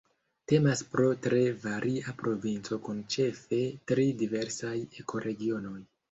Temas pro tre varia provinco kun ĉefe tri diversaj ekoregionoj.